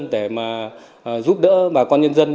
để mà giúp đỡ bà con nhân dân